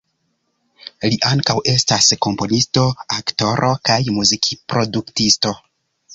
Li ankaŭ estas komponisto, aktoro kaj muzikproduktisto.